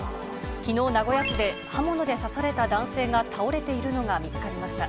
きのう、名古屋市で刃物で刺された男性が倒れているのが見つかりました。